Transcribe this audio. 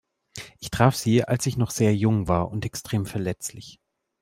Ich traf sie, als ich noch sehr jung war und extrem verletzlich.